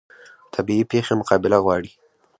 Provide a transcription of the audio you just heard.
طبیعي پیښې مقابله غواړي